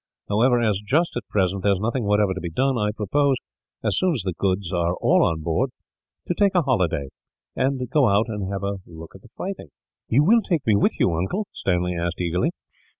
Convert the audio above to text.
However as, just at present, there is nothing whatever to be done, I propose, as soon as the goods are all on board, to take a holiday, and go out and have a look at the fighting." "You will take me with you, uncle?" Stanley asked eagerly.